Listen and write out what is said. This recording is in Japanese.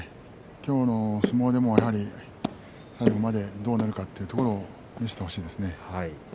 今日の相撲もやはり最後まで、どう出るかというところを見せてほしいですね。